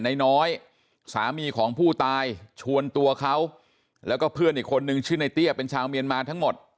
น้อยสามีของผู้ตายชวนตัวเขาแล้วก็เพื่อนอีกคนนึงชื่อในเตี้ยเป็นชาวเมียนมาทั้งหมด